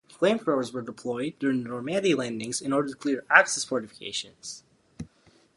Flamethrowers were deployed during the Normandy landings in order to clear Axis fortifications.